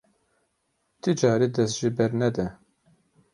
Ti carî dest jê bernede.